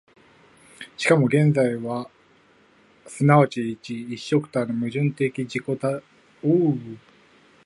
しかも現在は多即一一即多の矛盾的自己同一として、時間的空間として、そこに一つの形が決定せられ、時が止揚せられると考えられねばならない。